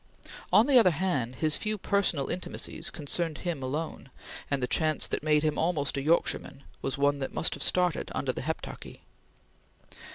On the other hand, his few personal intimacies concerned him alone, and the chance that made him almost a Yorkshireman was one that must have started under the Heptarchy.